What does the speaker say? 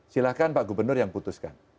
silahkan pak gubernur yang putus ini